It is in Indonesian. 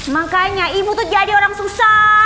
makanya ibu tuh jadi orang susah